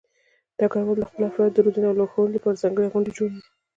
ډګروال د خپلو افرادو د روزنې او لارښودنې لپاره ځانګړې غونډې جوړوي.